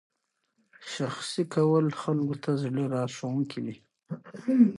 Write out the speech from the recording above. شخصي کول خلکو ته زړه راښکونکی دی.